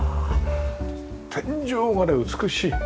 天井まで美しい。